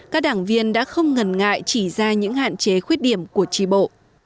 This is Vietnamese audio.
các đảng viên đã không ngần ngại chỉ ra những hạn chế khuyết điểm của tri bộ